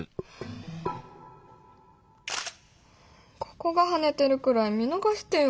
ここがハネてるくらい見逃してよ